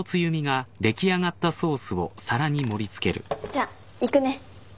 じゃあ行くね。